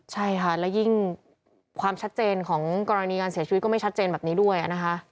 ใช่ค่ะและยิ่งความชัดเจนของกรณีการเสียชีวิตก็ไม่ชัดเจนแบบนี้ด้วยนะคะ